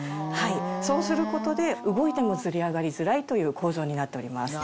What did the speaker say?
そうすることで動いてもずり上がりづらいという構造になっております。